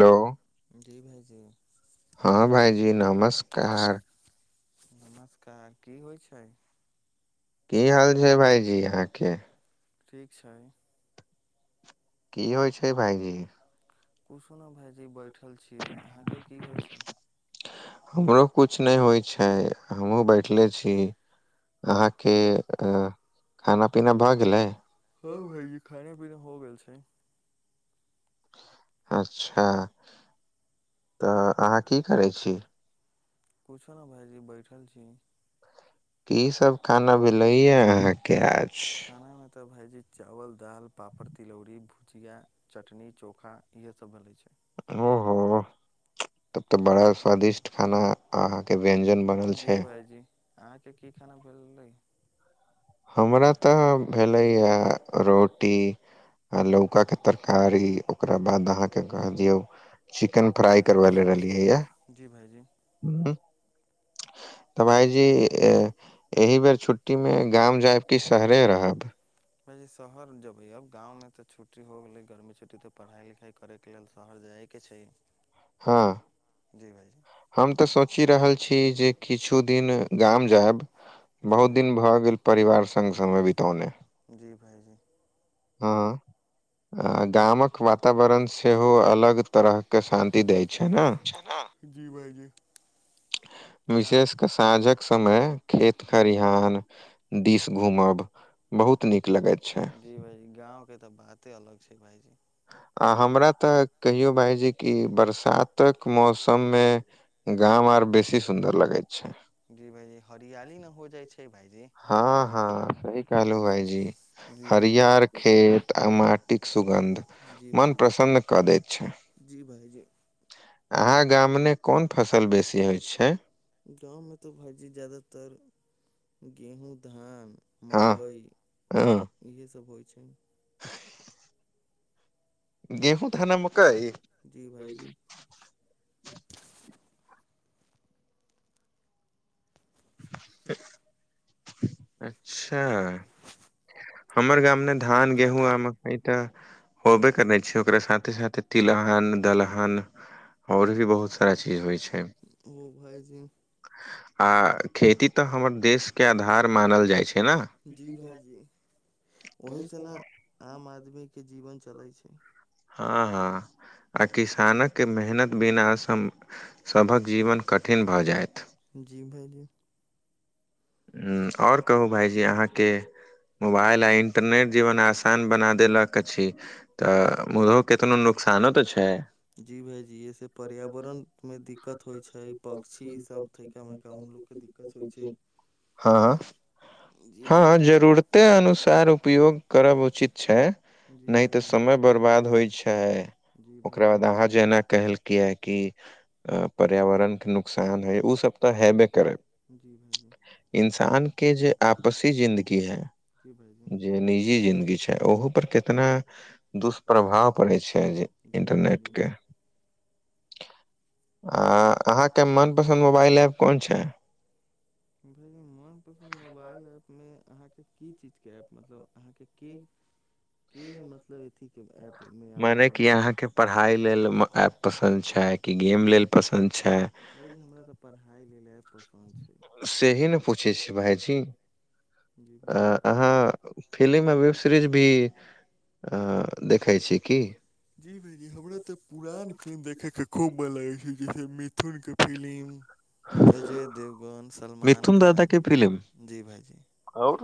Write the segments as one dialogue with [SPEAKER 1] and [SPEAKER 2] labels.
[SPEAKER 1] Hello हँ भाइजी नमस्कार
[SPEAKER 2] नमस्कार की होइ छै
[SPEAKER 1] की हाल छै। भाइजी अहाँके
[SPEAKER 2] ठीक छै।
[SPEAKER 1] की होइ छै भाईजी
[SPEAKER 2] किुछु ने भाईजी बैठल छीयै अहाँके की होइत छै
[SPEAKER 1] हमरो किछु नय होइत छै हमहूँ बैठले छी अहाँके अ खाना पीना भे गेलै
[SPEAKER 2] ह भाइजी खाने पीने हो गेल छै
[SPEAKER 1] अच्छा तऽ अहाँ कि करै छी
[SPEAKER 2] कुछो न भायजी बैठल छी
[SPEAKER 1] की सभ खाना भेलैयए अहाँके आज
[SPEAKER 2] तऽ भायजी चावल दालि पापड़ तिलौरी भुजिया। चटनी चोखा इएहसभ बनै छय
[SPEAKER 1] ओ हो तब तऽ बड़ा स्वादिष्ट खाना अहाँ के व्यंजन ब
[SPEAKER 2] जी भाायजी अहाँके की खाना भेलै
[SPEAKER 1] हमरा तऽ भेलैए रोटी लौका के तरकारी ओकरा बाद अहाँके कह दियौ
[SPEAKER 2] [inaudible] जी भाइजी
[SPEAKER 1] तऽ भायजी अ एहि बेर छुट्टीमे गाम जाएब कि शहरे रहब
[SPEAKER 2] हर जबे अब गांवं तऽ छुट्टी हो गेले गर्मी छुट्टी त पढ़ाइ लिखा कर के लेल शहर जाइके छै
[SPEAKER 1] [inaudible]
[SPEAKER 2] हँ जी भइजी [inaudible] हम तऽ सच रहल छी
[SPEAKER 1] किछु दिन गाम जायब बहुत दिन भऽ गेल परिवार संग समय बितौने
[SPEAKER 2] जी भाइजी
[SPEAKER 1] आँ आ गामक वातावरण सेहो अलग तरह के शान्ति दैत छै न
[SPEAKER 2] जी भाइजी
[SPEAKER 1] विशेष कऽ साँझक समय खेत खरिहान दिस घूमब बहुत निक लगेत छै
[SPEAKER 2] जी भाइजी गाँव के तऽ बाते अलग छै भाायजी
[SPEAKER 1] आ हमरा तऽ कहियौ भायजी जे कि बरसातक मौसम मे गाम आर बेसी सुन्दर लगैत छै
[SPEAKER 2] जी भाइजी हरियाली ने हो जाइ छै भाइजी
[SPEAKER 1] हँ हँ सही कहलहुँ भइजी हरियर खेत आ माटिक सुगन्ध मन प्रसन्न क दैत छै
[SPEAKER 2] जी भायजी
[SPEAKER 1] अहाँ गाम मे कोन फसल बेसी होइ छै
[SPEAKER 2] गाँव मे तऽ भइजी ज्यादातर गेहूँ धान मकइ इहे सभ होइ छइ
[SPEAKER 1] [inaudible]
[SPEAKER 2] [inaudible] जी भाइ जी
[SPEAKER 1] [inaudible] अच्छा हमर गाम मे धान गेहूँ आ मकइ तऽ होबे करने छै ओकरा साथे साथे तिलहन दलहन ओर भी बहुत सारा चीज होइ छै
[SPEAKER 2] अहो भायजी
[SPEAKER 1] आ खेती तऽ हमर देशके आधार मानल जाए छै ने।
[SPEAKER 2] ओहि से ने आम आदमी के जीवन चलै छै।।
[SPEAKER 1] हँ हँ आ किसानके मेहनत बिनास सभ कऽ जीवन कठिन भऽ जायत
[SPEAKER 2] जी भाई जी
[SPEAKER 1] आओर कहू भाईजी अहाँकेँ मोबाइल आइन इन्टरनेट जीवन आसान बना देलक छी तऽ मुधहो केतनो नुकसानो तऽ छै।
[SPEAKER 2] जी भायईजी से पर्यावरण मे दिक्कत होई छै पक्षी सभ थका मेका उलोग के दिक्क। ओ होई छै।
[SPEAKER 1] हँ।
[SPEAKER 2] जी भाइजी
[SPEAKER 1] नै तऽ समय बर्बाद होइत छै। ओकरा बाद अहाँ जे एना कहलकए की पर्यावरण के नुकसान हैबे ओसभ तऽ हेबे करै।
[SPEAKER 2] जी भाइजी।
[SPEAKER 1] इन्सान के जे आपसी जिन्दगी है। जे निजी जिन्दगी छै ओहो पर क इतना दुष्प्रभाव पड़ै छै जे इंटरनेट के। आ अहाँकेँ मन पसन्द मोबाइल एप कोन छै।
[SPEAKER 2] भऽ मनपसन्द मोबाइल एऐप्पमे अहाँकेँ कि चीजके ऐप मतलब अहाँकेँ कि के मतलब एथि क
[SPEAKER 1] मने कि अहाँकेँ पढ़ाई लेलऽ पसन्द छै कि गेम लेल पसन्द छै।
[SPEAKER 2] भायजी हमरा तऽ पढ़ाइ लेल पसन्द छै ने पूछै छी भायजी अहाँ फिल्म वेब सीरीज भी
[SPEAKER 1] आ देखै छी की।
[SPEAKER 2] जी भायजी हमरा ते पुरान फिल्म देखे के खूब मन लगे छै जस थुर के फिलिम। अजय देवगान सलमान खान जी भाइजी
[SPEAKER 1] ओर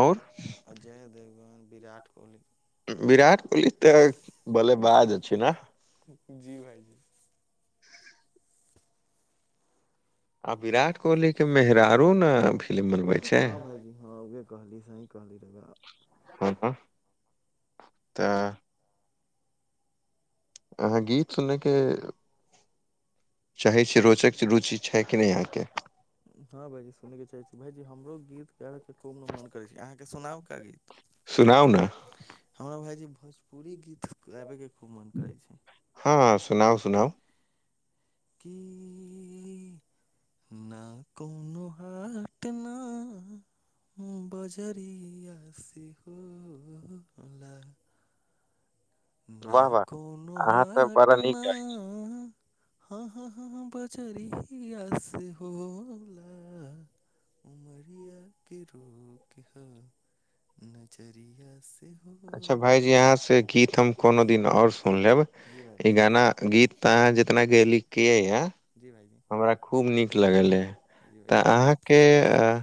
[SPEAKER 1] ओर।
[SPEAKER 2] अजय देवगान विराट कोहली।
[SPEAKER 1] विराट कोहली तऽ बल बाज छै ने।
[SPEAKER 2] जी भाइजी।
[SPEAKER 1] आ विराट कोहली के मेहराारु ने फिल्म बनबे छै
[SPEAKER 2] ह भाइजी हँ उह कहली सही कहली रह।
[SPEAKER 1] ह तऽ अहाँ गीत सुननेके। चाहै छिय रोचक रुचि छै कि नहि अहाँकेँ
[SPEAKER 2] ह भायजी सुनय के चाहे छी भायजी हमरो गीत गै खूब ने मन करै छै अहाँकेँ के सुनाउ कऽ गीत हमरा भायज भोजपुरी गीत। गाबे के खूब मोन करै छै।
[SPEAKER 1] ह सुनाउ सुनाउ
[SPEAKER 2] कि ना कोनो हाट नहि बजरी आस ह लऽ ना कोनो हट नहि। [unintelligible] [unintelligible]
[SPEAKER 1] अच्छा भाइजी अहाँसँ गीत हम कोनो दिन आओर सुनि लेब ई गाना गीत तॅं अहाँ जितना गेलियैकए-
[SPEAKER 2] जी भाइजी।
[SPEAKER 1] खूब नीक लगलै। तॅं अहाँकेॅं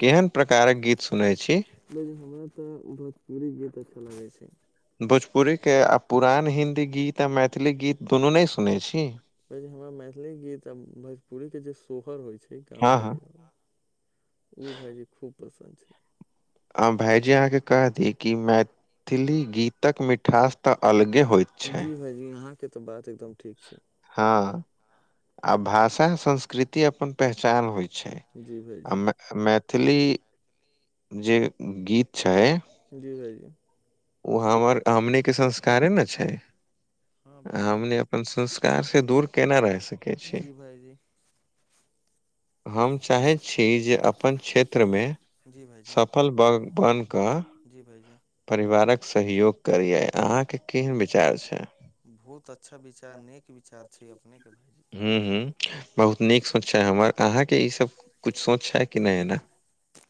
[SPEAKER 1] केहेन प्रकारक गीत सुनैत छी।
[SPEAKER 2] नहि, हमरा तॅं भोजपुरी गीत अच्छा लागै छै।
[SPEAKER 1] भोजपुरीकेॅं, आ पुरान हिन्दी गीत आ मैथिली गीत दुनू नहि सुनै छी?
[SPEAKER 2] पहिले हमरा मैथिली गीत आ भोजपुरीके जे सोहर होइ छै गाँवमे जे- उ भाइजी खूब पसन्द छै।
[SPEAKER 1] आ भाइजी अहाँकेँ कहि दी ई कि मैथिली गीतक मिठास
[SPEAKER 2] जी भाइजी अहाँके तॅं बात एकदम ठीक छै।
[SPEAKER 1] हँ आ भाषा- -संस्कृति अपन पहचान होइ छै आ मैथिली- जे गीत छै-
[SPEAKER 2] जी, भाइ जी
[SPEAKER 1] ओ हमर हमनीके संस्कारे ने छै हम अपन संस्कारसे दूर केना रहै सकै
[SPEAKER 2] जी भाइजी।
[SPEAKER 1] हम चाहैत छी जे अपन क्षेत्रमे सफल बनि कऽ
[SPEAKER 2] जी भाइजी।
[SPEAKER 1] परिवारक सहयोग करियै अहाँकेॅं केहन विचार छै?
[SPEAKER 2] बहुत अच्छा विचार, नेक विचार छै अपनेकेॅं भाइजी।
[SPEAKER 1] हूँ, हूँ। बहुत नीक सोच छै हमर। अहाँकेॅं ई सब कुछ सोच छै कि नहि एना?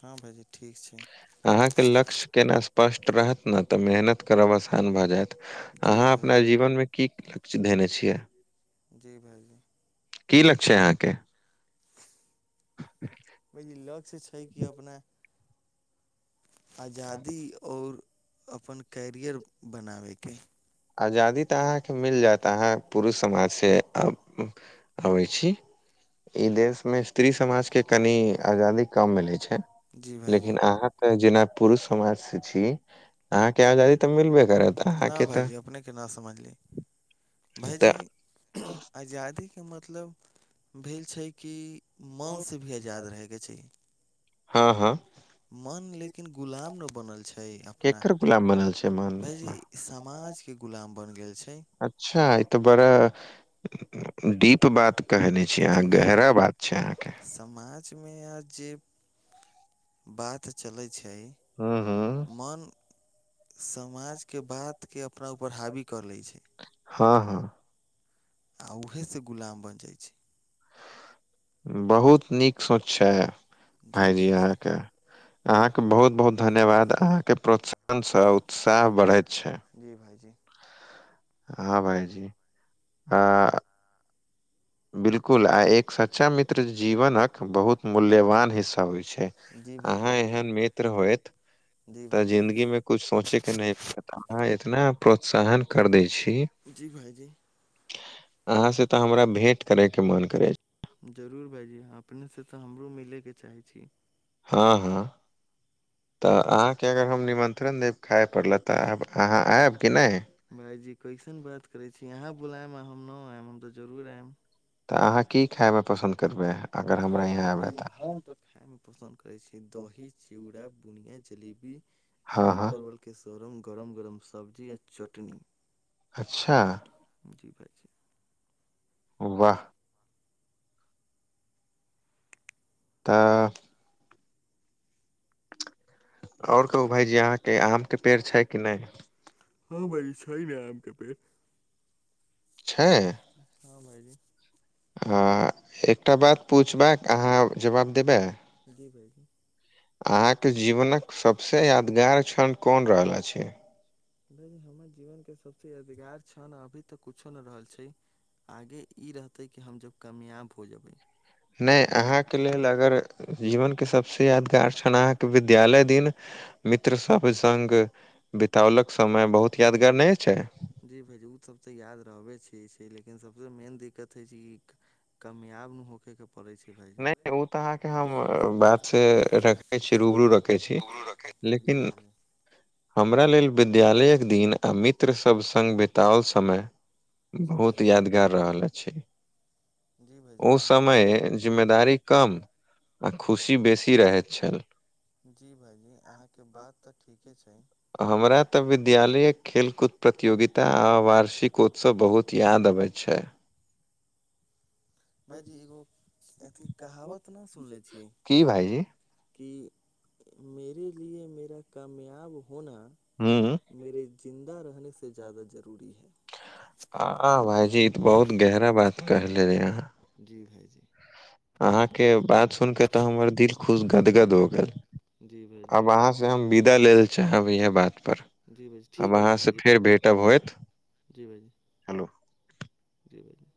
[SPEAKER 2] हँ, भाइजी ठीक छै।
[SPEAKER 1] अहाँके लक्ष्य केना स्पष्ट रहत ने तॅं मेहनत करब आसान भऽ जायत। अहाँ अपना जीवनमे की लक्ष्य धेने छियै?
[SPEAKER 2] जी भाइजी।
[SPEAKER 1] की लक्ष्य अछि अहाँके?
[SPEAKER 2] भाइजी लक्ष्य छै कि अपना आजादी आओर अपन कैरियर बनाबयके।
[SPEAKER 1] आजादी तॅं अहाँकेॅं मिल जायत अहाॅं पुरुष समाजसँ आ अबै छी। ई देशमे स्त्री समाजकेँ कनि आजादी कम मिलै छै लेकिन अहाँ जेना पुरुष समाजसे छी अहाँकेॅं आजादी तॅं मिलबे
[SPEAKER 2] ना भाइजी अपनेके ना समझली, भायजी- आजादीकेॅं मतलब भेल छै कि मनसँ भी आजाद रहैके चाही।
[SPEAKER 1] हँ, हँ।
[SPEAKER 2] मन लेकिन गुलाम ने बनल छय! तेॅं अपना। भाइजी समाजकेँ गुलाम बनि गेल छै।
[SPEAKER 1] अच्छा ई तॅं बड़ा डीप बात कहैने छी अहाँ, गहरा बात छै अहाँके।
[SPEAKER 2] समाजमे आ जे [inaudible] बात चलै छै
[SPEAKER 1] हू हू
[SPEAKER 2] मन समाज केँ बात केँ अपना ऊपर हावी कऽ लै छै।
[SPEAKER 1] हऽ हऽ
[SPEAKER 2] आ उहे से गुलाम बन जाइ छै।
[SPEAKER 1] बहुत नीक सोच छै भाईजी [inaudible] अहाँकेँ अहाँकेँ बहुत बहुत धन्यवाद अहाँकेँ प्रोत्साहन स उत्साह बढ़ैत छै।
[SPEAKER 2] जी भाईजी
[SPEAKER 1] हँ भाईजी [inaudible] हँ बिल्कुल आ एक सच्चा मित्र जीवनक बहुत मूल्यवान हिस्सा होइ छै। अहाँ एहन मित्र होयत
[SPEAKER 2] जी भाईजी।
[SPEAKER 1] जिन्दगी में किछ सोचै केँ नै अहाँ इतना प्रोत्साहन कर दै छी
[SPEAKER 2] जी भाईजी
[SPEAKER 1] [inaudible] अहाँ से तऽ हमरा भेंट करे केँ मन करे
[SPEAKER 2] जरूर भाईजी अपने से तऽ हमरो मिलै केँ चाहै छी
[SPEAKER 1] हँ हँ [inaudible] तऽ अहाँकेँ अगर हम निमन्त्रण देब खाय पड़ल तऽ अब अहाँ ऐब कि नै
[SPEAKER 2] भाईजी कैसन बात करै छी अहाँ बुलायब आ हम न आयब हम तऽ जरूर आइम
[SPEAKER 1] तऽ अहाँ की खाय में पसंद करब अगर हमरा यहाँ
[SPEAKER 2] भाईजी हम तऽ खाय में पसन्द करै छी दही चुड़ा बुनिया जलेबी आलू परवल केँ सरम गरम गरम सब्जी आ चटनी
[SPEAKER 1] अच्छा
[SPEAKER 2] जी भाईजी
[SPEAKER 1] वाह तब और कहू भाईजी अहाँकेँ आम केँ पेड़ छै कि नै
[SPEAKER 2] हँ भाईजी छै न आम केँ पेड़
[SPEAKER 1] छै
[SPEAKER 2] हँ भाईजी
[SPEAKER 1] हँ एकटा बात पूछबाक अहाँ जवाब देबै
[SPEAKER 2] जी भाईजी
[SPEAKER 1] अहाँकेँ जीवनक सबसे यादगार क्षण कोन रहल अछि
[SPEAKER 2] भाईजी हमर जीवन कऽ सबसे यादगार क्षण अभी तऽ कुछो न रहल छै आगे ई रहतै कि हम जब कामयाब हो जेबै
[SPEAKER 1] नै अहाँकेँ लेल अगर जीवन कऽ सबस यादगार छन अहाँ कऽ विद्यालय दिन मित्र सभ सब संग बितौलक समय बहुत यादगार नै छै
[SPEAKER 2] जी भाईजी ओ सभ तऽ याद रहबे छै छै लेकिन सभसँ मेन दिक्कत होइ छै ई कामयाब नु होखै कऽ पड़ै छै भाईजी
[SPEAKER 1] अहाँके हम बातसँ रखै छी रूबरू रखै छी लेकिन हमरा लेल विद्यालयक दिन आ मित्र सब संग बित तओल समय बहुत यादगार रहल अछि
[SPEAKER 2] जी भाई जी अहाँ केँ
[SPEAKER 1] जिम्मेदारी कम [inaudible] आ खुशी बेसी रहैत छल
[SPEAKER 2] जी भाइजी अहाँके बात तऽ ठीके छै
[SPEAKER 1] हमरा तऽ विद्यालय खेलकूद प्रतियोगिता आ वार्षिकोत्सव बहुत याद अबैत छै
[SPEAKER 2] भायजी एगो अथी कहावत नहि सुनले छियै कि मेरे लिए मेरा कामयाब होना मेेरे ज़िन्दा रहने से ज्यादा जरूरी है
[SPEAKER 1] आहां भाईजी ई तऽ बहुत गहरा बात कर ले रहे आहाँ
[SPEAKER 2] जी भायजी
[SPEAKER 1] अहाँके बात सुन केे तऽ हमर दिल खुश गदगद हो गेल आब अहाँसँ हम विदा लै लए चाहब इएह बातपर आब अहाँसँ फेर भेटब होइत
[SPEAKER 2] जी भाइजी जी भाइजी